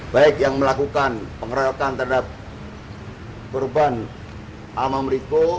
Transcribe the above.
baik yang melakukan pengeroyokan terhadap korban sama riko